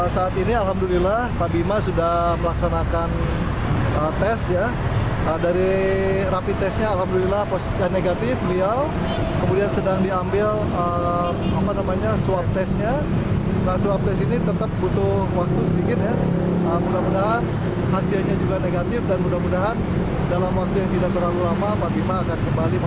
semoga dalam waktu yang tidak terlalu lama pak bima akan kembali memimpin kota bogor